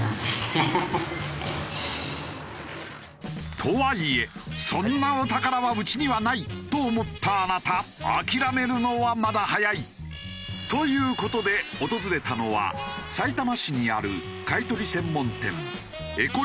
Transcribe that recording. とはいえそんなお宝はうちにはないと思ったあなた諦めるのはまだ早い。という事で訪れたのはさいたま市にある。